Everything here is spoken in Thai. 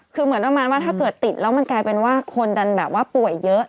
คือเหมือนประมาณว่าถ้าเกิดติดแล้วมันกลายเป็นว่าคนดันแบบว่าป่วยเยอะ